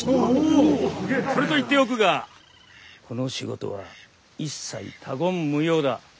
それと言っておくがこの仕事は一切他言無用だ。